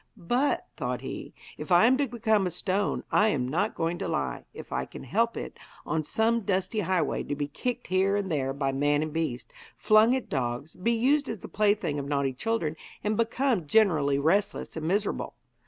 'But,' thought he, 'if I am to become a stone, I am not going to lie, if I can help it, on some dusty highway, to be kicked here and there by man and beast, flung at dogs, be used as the plaything of naughty children, and become generally restless and miserable.